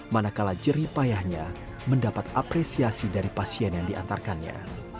manakala jerih payahnya mendapat apresiasi dari pasien yang diantarkannya